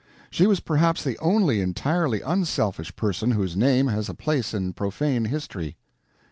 She was perhaps the only entirely unselfish person whose name has a place in profane history.